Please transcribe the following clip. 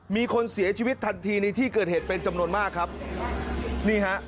มีคนเสียชีวิตทันทีในที่เกิดเหตุเป็นจำนวนมากครับนี่ฮะ